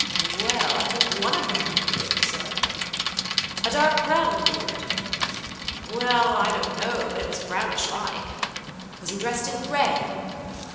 "Well, I think one of them had a beard, sir." "A dark brown beard?" "Well, I don't know, but it was brownish like." "Was he dressed in gray?"